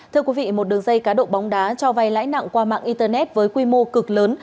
thưa quý vị một đường dây cá độ bóng đá cho vay lãi nặng qua mạng internet với quy mô cực lớn